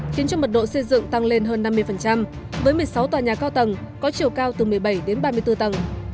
khiến cho mật độ xây dựng tăng lên hơn năm mươi với một mươi sáu tòa nhà cao tầng có chiều cao từ một mươi bảy đến ba mươi bốn tầng